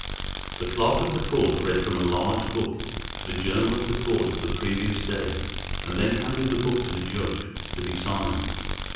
The clerk of the court read from a large book the journal of the court of the previous day and then handed the book to the judge to be signed.